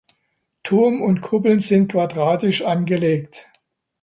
Turm und Kuppeln sind quadratisch angelegt.